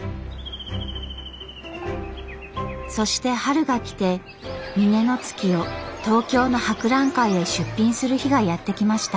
そして春が来て峰乃月を東京の博覧会へ出品する日がやって来ました。